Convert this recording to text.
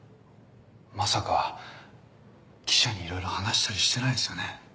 まさか記者にいろいろ話したりしてないですよね？